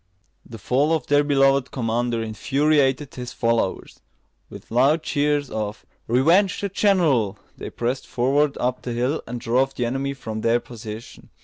The fall of their beloved commander infuriated his followers. With loud cheers of "Revenge the general!" they pressed forward up the hill, and drove the enemy from their position.